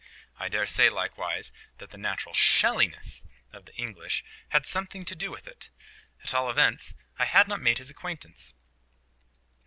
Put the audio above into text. I daresay, likewise, that the natural SHELLINESS of the English had something to do with it. At all events, I had not made his acquaintance.